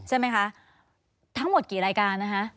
ใช่ไหมคะทั้งหมดกี่รายการนะคะ